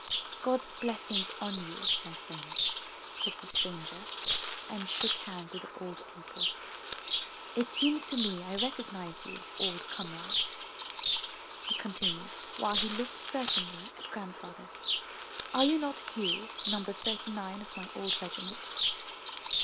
*'God's blessings on you, my friends,'' said the stranger and shook hands with the old people. *lt seems to me I recognize you, old comrade,'* he con tinued, while he looked searchingly at Grandfather. '*Are you not Hugh No. 39 of my old regiment?"